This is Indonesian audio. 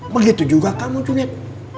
begitu juga kamu cunyat